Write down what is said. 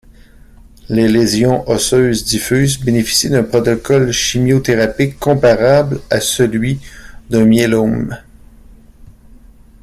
Les lésions osseuses diffuses bénéficient d'un protocole chimiothérapique comparable à celui d'un myélome.